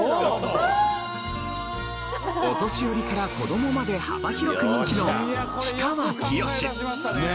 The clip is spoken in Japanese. お年寄りから子供まで幅広く人気の。